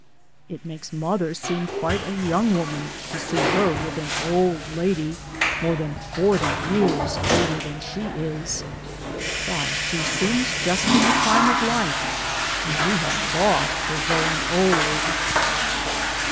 It makes mother seem quite a young woman to see DAYS ON THE ROAD. 237 her with an old lady more than forty years older than she is. Why, she seems just in the prime of life, and we had thought her growing old.